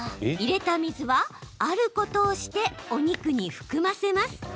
入れた水は、あることをしてお肉に含ませます。